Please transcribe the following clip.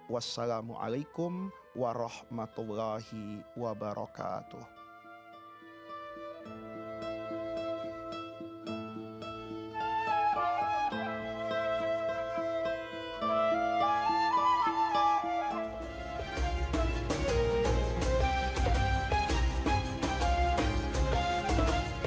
wassalamualaikum warahmatullahi wabarakatuh